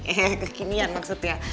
eh kekinian maksudnya